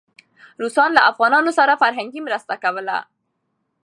روسان له افغانانو سره فرهنګي مرسته کوله.